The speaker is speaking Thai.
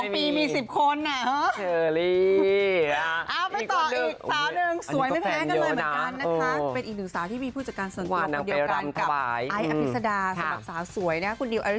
เป็นอีกหนึ่งหนูสาวที่มีผู้จัดการส่วนตัวเหมือนเดียวกัน